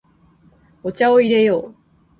お茶を入れよう。